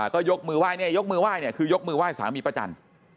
ก็ยกมือไหว้เนี่ยยกมือไห้เนี่ยคือยกมือไห้สามีป้าจันทร์